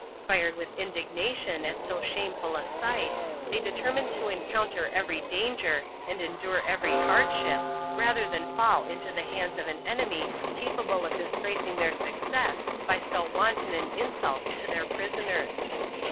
Fired with indignation at so shameful a sight, they determined to encounter every danger and endure every hardship rather than fall into the hands of an enemy capable of disgracing their success by so wanton an insult to their prisoners.